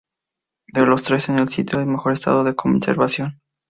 De los tres es el sitio en mejor estado de conservación.